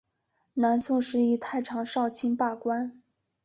南宋时以太常少卿罢官。